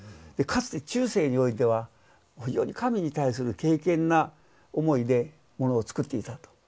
かつて中世においては非常に神に対する敬けんな思いでものを作っていたと。